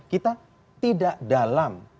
kita tidak dalam